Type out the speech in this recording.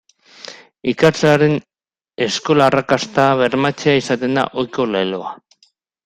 Ikaslearen eskola-arrakasta bermatzea izaten da ohiko leloa.